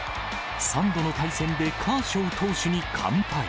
３度の対戦でカーショウ投手に完敗。